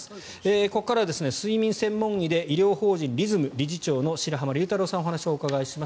ここからは睡眠専門医で医療法人ＲＥＳＭ理事長の白濱龍太郎さんにお話をお伺いします。